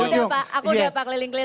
udah pak aku udah pak keliling keliling